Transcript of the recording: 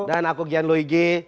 dan aku gian luigi